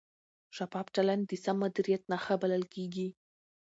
شفاف چلند د سم مدیریت نښه بلل کېږي.